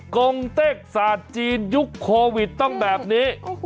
กงเต็กศาสตร์จีนยุคโควิดต้องแบบนี้